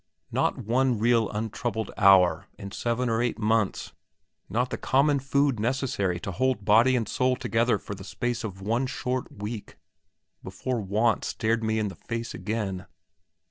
Not one real untroubled hour in seven or eight months, not the common food necessary to hold body and soul together for the space of one short week, before want stared me in the face again.